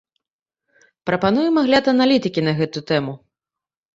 Прапануем агляд аналітыкі на гэту тэму.